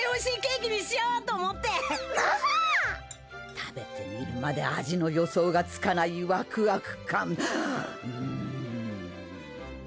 食べてみるまで味の予想がつかないワクワク感。